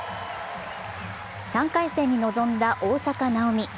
３回戦に臨んだ大坂なおみ。